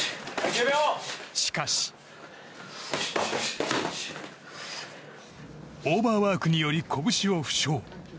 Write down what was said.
しかし、オーバーワークにより拳を負傷。